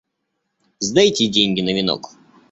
Сдайте деньги на венок.